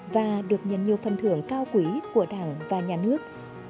và được nhận nhiều phần thưởng cao quý của đảng và nhà nước